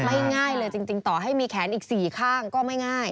ง่ายเลยจริงต่อให้มีแขนอีก๔ข้างก็ไม่ง่าย